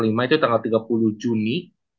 itu tanggal tiga puluh juni